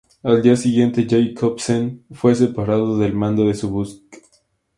Al día siguiente, Jacobsen fue separado del mando de su buque.